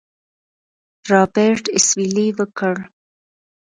رابرټ اسويلى وکړ.